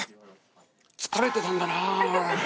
疲れてたんだな。